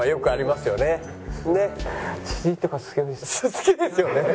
好きですよね。